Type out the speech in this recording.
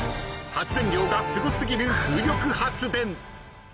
発電量がすご過ぎる風力発電］